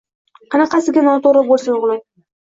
Qanaqasiga noto'g'ri bo'lsin, o'g'lim?